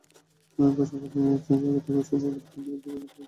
পাশাপাশি নিজ নিজ জায়গা থেকে এসব অপরাধের বিরুদ্ধে রুখে দাঁড়াতে হবে।